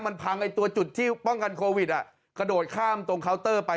มันพังไอ้ตัวจุดที่ป้องกันโควิดอ่ะกระโดดข้ามตรงเคาน์เตอร์ไป